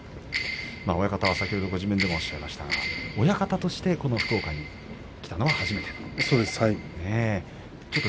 先ほど親方は自分でもおっしゃっていましたが親方として福岡に来たのは初めてと。